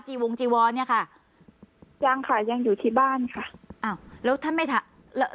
วงจีวรเนี่ยค่ะยังค่ะยังอยู่ที่บ้านค่ะอ้าวแล้วท่านไม่ถามแล้ว